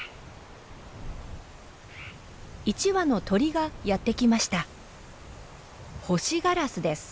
１羽の鳥がやって来ました。